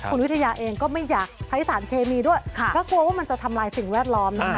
คุณวิทยาเองก็ไม่อยากใช้สารเคมีด้วยเพราะกลัวว่ามันจะทำลายสิ่งแวดล้อมนะคะ